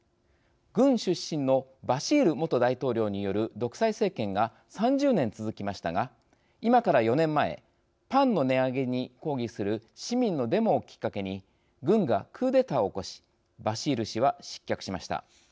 軍出身のバシール元大統領による独裁政権が３０年続きましたが今から４年前パンの値上げに抗議する市民のデモをきっかけに軍がクーデターを起こしバシール氏は失脚しました。